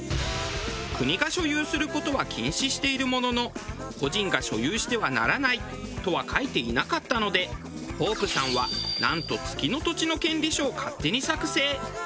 国が所有する事は禁止しているものの個人が所有してはならないとは書いていなかったのでホープさんはなんと月の土地の権利書を勝手に作成。